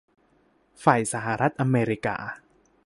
ฝ่ายสหรัฐอเมริกา